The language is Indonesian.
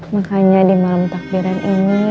makanya di malam takbiran ini